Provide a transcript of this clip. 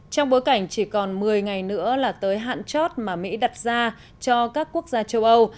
trong bối cảnh chỉ còn một mươi ngày nữa là tới hạn chót mà mỹ đặt ra cho các quốc gia châu âu